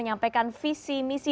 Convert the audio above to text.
menyampaikan visi misi